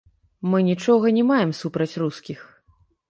Мы нічога не маем супраць рускіх.